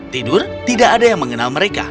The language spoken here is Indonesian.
tidur tidak ada yang mengenal mereka